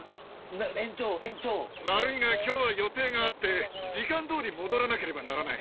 悪いが、きょうは予定があって、時間どおり戻らなければならない。